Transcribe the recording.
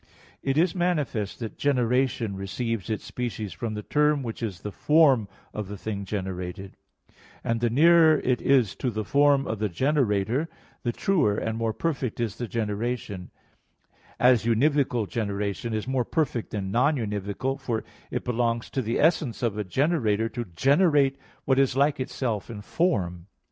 It is manifest that generation receives its species from the term which is the form of the thing generated; and the nearer it is to the form of the generator, the truer and more perfect is the generation; as univocal generation is more perfect than non univocal, for it belongs to the essence of a generator to generate what is like itself in form.